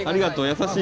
優しい！